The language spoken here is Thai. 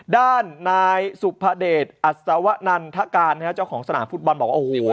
ด้านนายสุภเดชอัศวะนันทการนะฮะเจ้าของสนามฟุตบอลบอกว่าโอ้โห